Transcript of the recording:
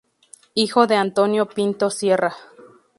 Hijo de Antonio Pintos Sierra.